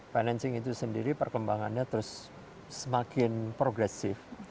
financing itu sendiri perkembangannya terus semakin progresif